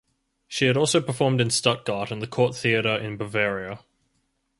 She had also performed in Stuttgart and the court theatre in Bavaria.